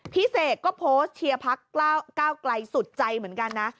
เสกก็โพสต์เชียร์พักก้าวไกลสุดใจเหมือนกันนะ